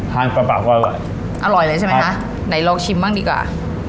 ปลาปากอร่อยอร่อยเลยใช่ไหมคะไหนลองชิมบ้างดีกว่า